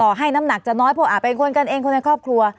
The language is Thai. ให้น้ำหนักจะน้อยเพราะอาจเป็นคนกันเองคนในครอบครัว